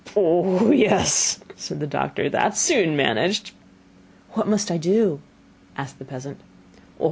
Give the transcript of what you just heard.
'Oh, yes,' said the doctor, 'that is soon managed.' 'What must I do?' asked the peasant.